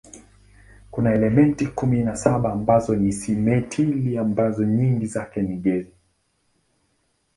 Kuna elementi kumi na saba ambazo ni simetili ambazo nyingi zake ni gesi.